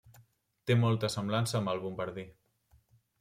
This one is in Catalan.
Té molta semblança amb el bombardí.